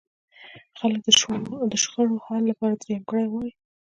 خلک د شخړو حل لپاره درېیمګړی غواړي.